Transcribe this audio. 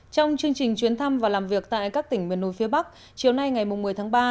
trong chương trình chuyến thăm và làm việc tại các tỉnh miền núi phía bắc chiều nay ngày một mươi tháng ba